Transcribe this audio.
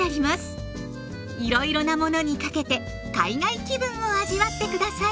いろいろなものにかけて海外気分を味わって下さい！